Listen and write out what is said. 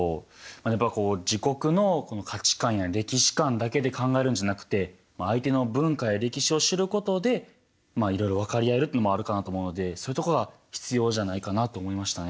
やっぱりこう自国の価値観や歴史観だけで考えるんじゃなくて相手の文化や歴史を知ることでいろいろ分かり合えるっていうのもあるかなと思うのでそういうとこが必要じゃないかなと思いましたね。